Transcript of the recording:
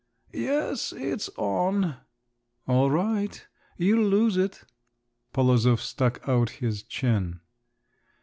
"Yes, it's on." "All right. You'll lose it." Polozov stuck out his chin.